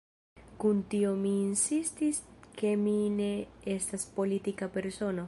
Kun tio mi insistis ke mi ne estas politika persono.